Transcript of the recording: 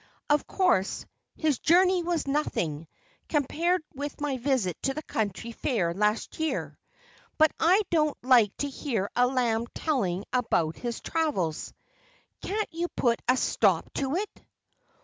Of course, his journey was nothing, compared with my visit to the county fair last year. But I don't like to hear a lamb telling about his travels. Can't you put a stop to it?"